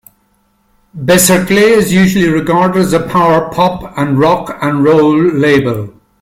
Beserkley is usually regarded as a power pop and rock and roll label.